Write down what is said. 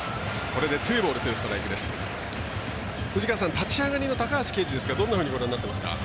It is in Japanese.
立ち上がりの高橋奎二ですがどんなふうにご覧になってますか。